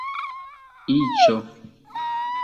iĉo